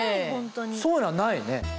そういうのはないね。